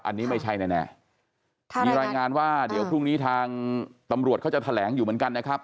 อันนี้ไม่ใช่แน่มีรายงานว่าเดี๋ยวพรุ่งนี้ทางตำรวจเขาจะแถลงอยู่เหมือนกันนะครับ